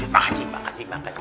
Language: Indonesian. makasih makasih makasih